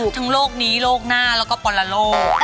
ทั้งโลกนี้โลกหน้าแล้วก็ปรโลก